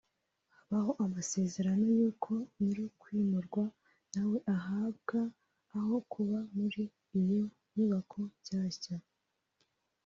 habaho amasezerano y’uko nyir’ukwimurwa na we yahabwa aho kuba muri iyo nyubako nshyashya